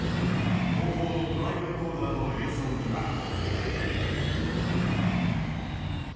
後方のドライブレコーダーの映像には。